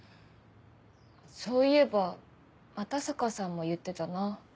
そういえば又坂さんも言ってたな。